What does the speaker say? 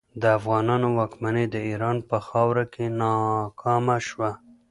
د افغانانو واکمني د ایران په خاوره کې ناکامه شوه.